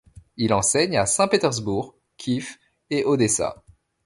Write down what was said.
Il enseigne à Saint-Pétersbourg, Kiev et Odessa.